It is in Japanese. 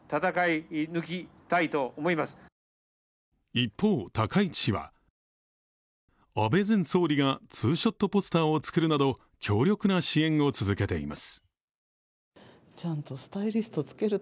一方、高市氏は安倍前総理がツーショットポスターを作るなど強力な支援を続けています。